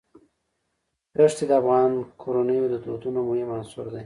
ښتې د افغان کورنیو د دودونو مهم عنصر دی.